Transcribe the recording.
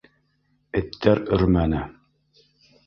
Эттәр өрмәне.